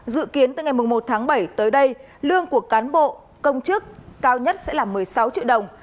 dự kiến từ ngày một tháng bảy tới đây lương của cán bộ công chức cao nhất sẽ là một mươi sáu triệu đồng